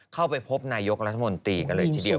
เข้าไปพบนายกรัฐมนตรีกันเลยทีเดียว